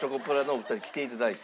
お二人来ていただいて。